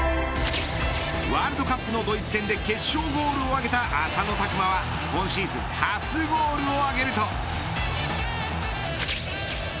ワールドカップのドイツ戦で決勝ゴールを挙げた浅野拓磨は今シーズン初ゴールを挙げると。